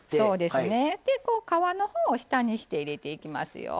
でこう皮の方を下にして入れていきますよ。